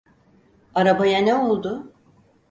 Arabaya ne oldu?